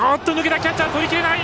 キャッチャーとりきれない。